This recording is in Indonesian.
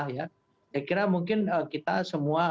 saya kira mungkin kita semua